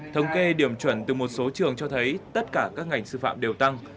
thống kê điểm chuẩn từ một số trường cho thấy tất cả các ngành sư phạm đều tăng